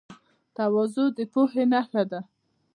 تواضع د پوهې نښه ده.